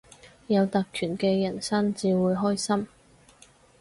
有特權嘅人生至會開心